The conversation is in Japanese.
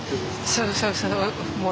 そうそうそう。